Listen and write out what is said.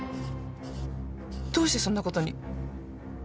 どうしてそんなことに？